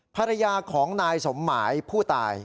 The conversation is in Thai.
ภรรยาของนายสมหมายผู้ตาย